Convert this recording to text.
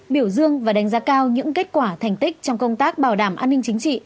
biểu dương và đánh giá cao những kết quả thành tích trong công tác bảo đảm an ninh chính trị